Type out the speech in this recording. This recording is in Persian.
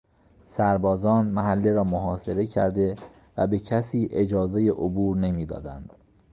سربازان محله را محاصره کرده و به کسی اجازهی عبور نمیدادند.